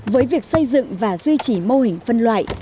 với việc xây dựng và duy trì mô hình phân loại